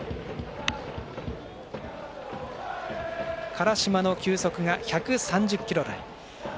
辛島の球速が１３０キロ台。